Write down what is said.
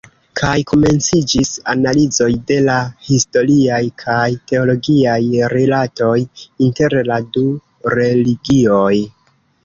Kaj komenciĝis analizoj de la historiaj kaj teologiaj rilatoj inter la du religioj.